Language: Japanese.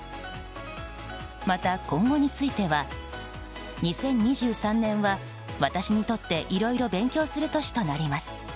また今後については２０２３年は私にとっていろいろ勉強する年となります。